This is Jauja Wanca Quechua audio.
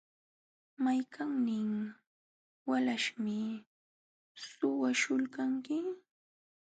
¿Mayqannin walaśhmi suwaśhulqanki?